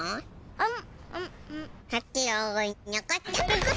うん。